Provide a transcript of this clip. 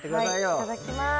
はいいただきます。